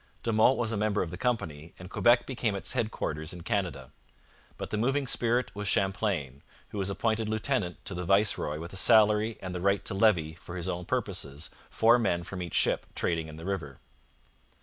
De Monts was a member of the company and Quebec became its headquarters in Canada. But the moving spirit was Champlain, who was appointed lieutenant to the viceroy with a salary and the right to levy for his own purposes four men from each ship trading in the river.